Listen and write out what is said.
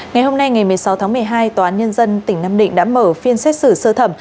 ngày hôm nay ngày một mươi sáu tháng một mươi hai tòa án nhân dân tỉnh nam định đã mở phiên xét xử sơ thẩm